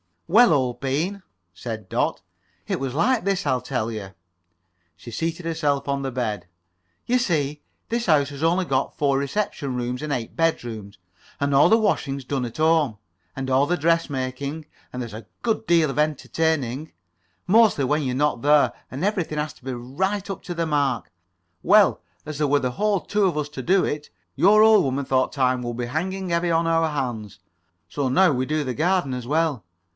"Well, old bean," said Dot, "it was like this. I'll tell you." She seated herself on the bed. "You see, this house has only got four reception rooms and eight bedrooms, and all the washing's done at home, and all the dressmaking, and there's a good deal of entertaining, mostly when you're not there, and everything has to be right up to the mark. Well, as there were the whole two of us to do it, your old woman thought time would be hanging heavy on our hands, so now we do the garden as well.